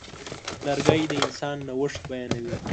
لرګی د انسان نوښت بیانوي.